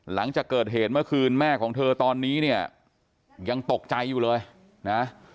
หลังจากเกิดเหตุเมื่อคืนแม่ของเธอตอนนี้เนี่ยยังตกใจอยู่เลยนะ